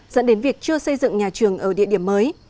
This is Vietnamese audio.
dẫn đến việc chưa xây dựng nhà trường ở địa điểm mới